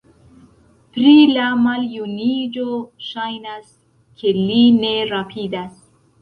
Pri la maljuniĝo, ŝajnas, ke li ne rapidas.